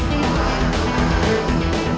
pak ini kita berhenti